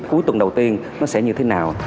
cuối tuần đầu tiên nó sẽ như thế nào